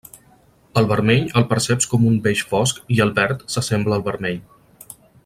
El vermell el perceps com un beix fosc i el verd s’assembla al vermell.